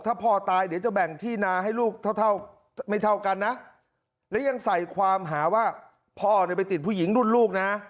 ถ้าพ่อตายเดี๋ยวจะแบ่งที่นาให้ลูกเท่าไม่เท่ากันนะและยังใส่ความหาว่าพ่อเนี่ยไปติดผู้หญิงรุ่นลูกนะ